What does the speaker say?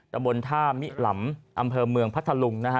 ตะบนท่ามิหลำอำเภอเมืองพัทธลุงนะฮะ